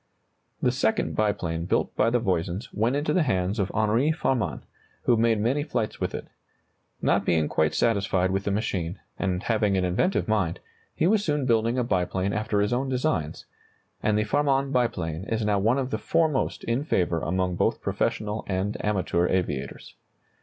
The second biplane built by the Voisins went into the hands of Henri Farman, who made many flights with it. Not being quite satisfied with the machine, and having an inventive mind, he was soon building a biplane after his own designs, and the Farman biplane is now one of the foremost in favor among both professional and amateur aviators.